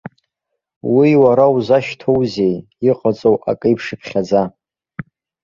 Уи уара узашьҭоузеи, иҟаҵоу акеиԥш иԥхьаӡа!